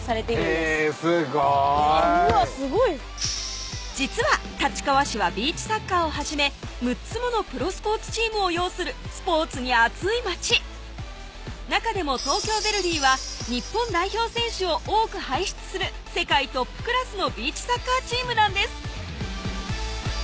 すごいうわっすごい実は立川市はビーチサッカーをはじめ６つものプロスポーツチームを擁するスポーツに熱い街中でも東京ヴェルディは日本代表選手を多く輩出する世界トップクラスのビーチサッカーチームなんです